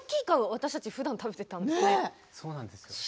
私たちふだん食べていたんですね。